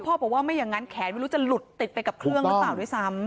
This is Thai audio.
บอกว่าไม่อย่างนั้นแขนไม่รู้จะหลุดติดไปกับเครื่องหรือเปล่าด้วยซ้ำ